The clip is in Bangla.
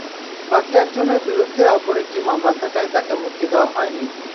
বাকি একজনের বিরুদ্ধে অপর একটি মামলা থাকায় তাঁকে মুক্তি দেওয়া হয়নি।